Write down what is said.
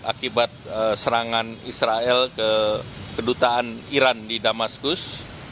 akibat serangan israel ke kedutaan iran di damaskus